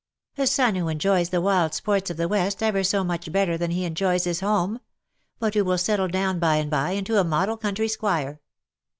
" A son who enjoys the wild sports of the West ever so much better than he enjoys his home; but who will settle down by and by into a model country Squire."